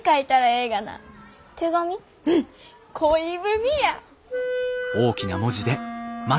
うん恋文や！